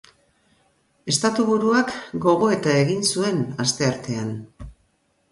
Estatuburuak gogoeta egin zuen asteartean.